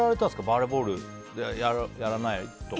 バレーボールやらないの？とか。